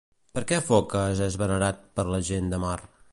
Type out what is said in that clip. Per què Focas és venerat per la gent de mar?